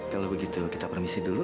kalau begitu kita permisi dulu